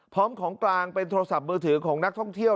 ของกลางเป็นโทรศัพท์มือถือของนักท่องเที่ยว